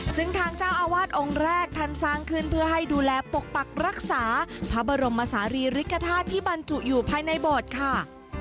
ซึ่งทางเจ้าอาวาสองค์แรกท่านสร้างขึ้นเพื่อให้ดูแลปกปักรักษาพระบรมศาลีริกฐาตุที่บรรจุอยู่ภายในโบสถ์ค่ะ